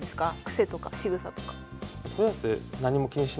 癖とかしぐさとか。